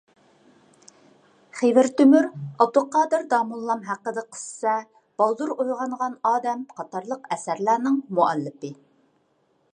خېۋىر تۆمۈر «ئابدۇقادىر داموللام ھەققىدە قىسسە»، «بالدۇر ئويغانغان ئادەم» قاتارلىق ئەسەرلەرنىڭ مۇئەللىپى.